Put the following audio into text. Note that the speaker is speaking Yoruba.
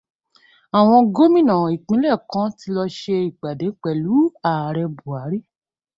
Àwọn gómìnà ìpínlẹ̀ kan ti lọ ṣe ìpàdé pẹ̀lú ààrẹ Bùhárí.